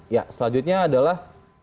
ya selanjutnya adalah